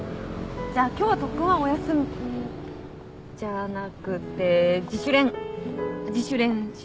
じゃあ今日は特訓はお休みじゃなくて自主練自主練します。